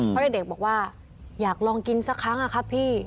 เพราะเด็กบอกว่าอยากลองกินสักครั้งอะครับพี่